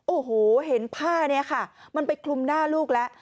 โอ้โหเห็นผ้านี้ค่ะมันไปคลุมหน้าลูกแล้ว